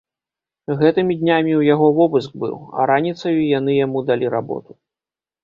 Гэтымі днямі ў яго вобыск быў, а раніцаю яны яму далі работу.